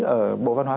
ở bộ văn hóa